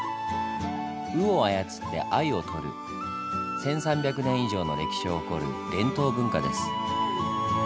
鵜を操って鮎をとる１，３００年以上の歴史を誇る伝統文化です。